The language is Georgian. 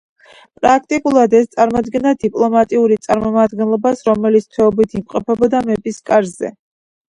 პრაქტიკულად ეს წარმოადგენდა დიპლომატიური წარმომადგენლობას, რომელიც თვეობით იმყოფებოდა მეფის კარზე.